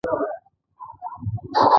د وینې دوران سیستم اصلي غړی کوم یو دی